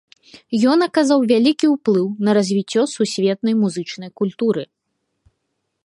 Ён аказаў вялікі ўплыў на развіццё сусветнай музычнай культуры.